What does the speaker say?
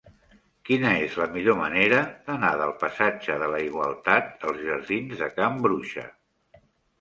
Quina és la millor manera d'anar del passatge de la Igualtat als jardins de Can Bruixa?